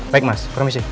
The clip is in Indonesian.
baik mas permisi